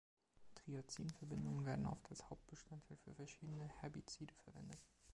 Triazinverbindungen werden oft als Hauptbestandteil für verschiedene Herbizide verwendet.